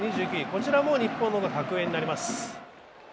こちらも日本の方が格上となります。